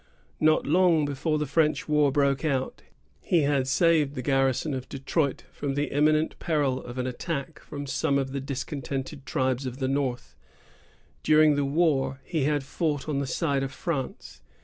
Not long before the French war broke out, he had saved the garrison of Detroit from the imminent peril of an attack from some of the discontented tribes of the north. During the war, he had fought on the side of France.